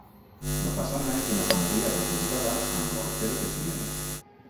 La façana és de maçoneria rejuntada amb morter de ciment.